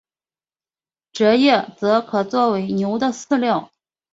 蔗叶则可做为牛的饲料。